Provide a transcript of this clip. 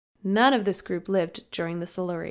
None of this group lived during the Silurian.